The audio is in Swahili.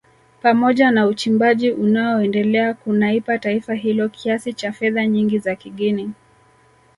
Pamoja na uchimbaji unaoendelea kunaipa taifa hilo kiasi cha fedha nyingi za kigeni